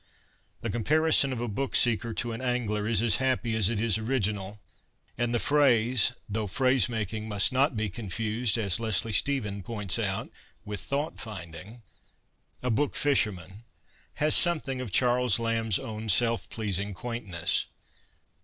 ' The comparison of a book seeker to an angler is as happy as it is original, and the phrase — though phrase making must not be confused, as Leslie Stephen points out, with thought finding — INTRODUCTION 13 ' a book fisherman ' has something of Charles Lamb's own ' self pleasing quaintness.'